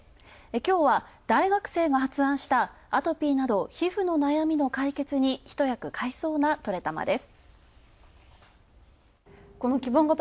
きょうは大学生が発案したアトピーなど皮膚の悩みの解決にひとやく買いそうなトレたまです。